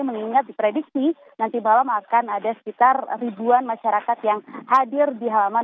mengingat diprediksi nanti malam akan ada sekitar ribuan masyarakat yang hadir di halaman